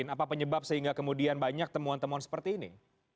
apa penyebab sehingga kemudian banyak temuan temuan seperti ini